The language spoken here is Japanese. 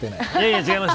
違いますよ。